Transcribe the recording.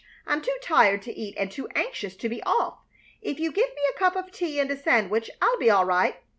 I'm too tired to eat and too anxious to be off. If you give me a cup of tea and a sandwich I'll be all right.